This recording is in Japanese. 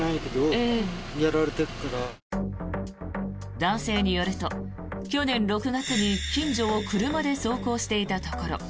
男性によると去年６月に近所を車で走行していたところ